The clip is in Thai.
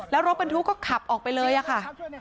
แล้วรถบรรทุกก็ขับออกไปเลยค่ะ